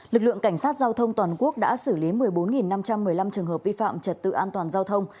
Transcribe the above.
lực lượng cảnh sát giao thông toàn quốc đã xử lý một mươi bốn năm trăm một mươi năm trường hợp vi phạm trật tự an toàn giao thông